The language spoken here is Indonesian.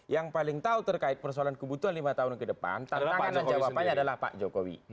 yang paling tahu terkait persoalan kebutuhan lima tahun ke depan jawabannya adalah pak jokowi